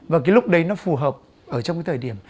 và cái lúc đấy nó phù hợp ở trong cái thời điểm